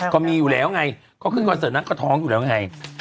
ก็มีอยู่แล้วไงเขาขึ้นคอนเสิร์ตนางก็ท้องอยู่แล้วไง